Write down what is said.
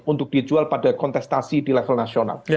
untuk dijual pada kontestasi di level nasional